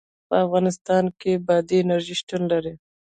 په افغانستان کې بادي انرژي شتون لري.